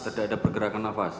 tidak ada pergerakan nafas